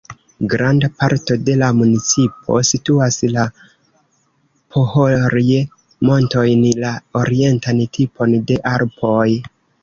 Granda parto de la municipo situas la Pohorje-montojn, la orientan tipon de Alpoj.